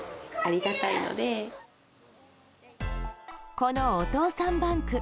このお父さんバンク。